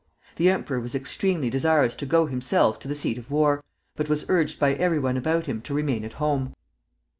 The emperor was extremely desirous to go himself to the seat of war, but was urged by every one about him to remain at home.